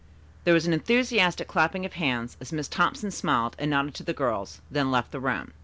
There was an enthusiastic clapping of hands as Miss Thompson smiled and nodded to the girls, then left the room.